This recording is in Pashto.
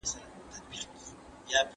زه غواړم چي په راتلونکي کي انجینر سم .